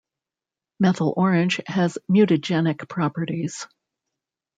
Methyl orange has mutagenic properties.